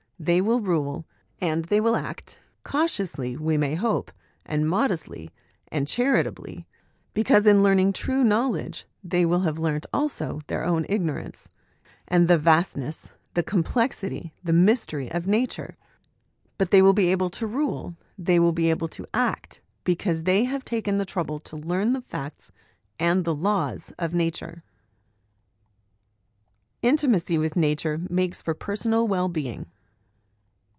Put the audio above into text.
They will rule, and they will act cautiously, we may hope, and modestly, and charitably because in learning true knowledge they will have learnt also their own ignorance, and the vastness, the complexity, the mystery of Nature. But they will be able to rule, they will be able to act, because they have taken the trouble to learn the facts and the laws of Nature." Intimacy with Nature makes for Personal Well being.